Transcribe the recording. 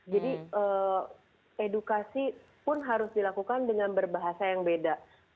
jadi edukasi pun harus dilakukan dengan berbahasa yang beda